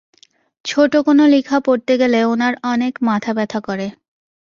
ছোটো কোনো লিখা পড়তে গেলে ওনার অনেক মাথা ব্যথা করে।